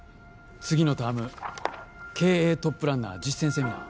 次のターム経営トップランナー実践セミナー